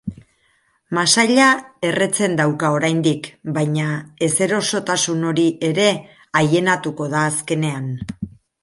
Masaila erretzen dauka oraindik, baina ezerosotasun hori ere aienatuko da azkenean.